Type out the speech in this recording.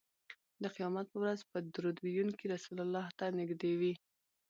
د قیامت په ورځ به درود ویونکی رسول الله ته نږدې وي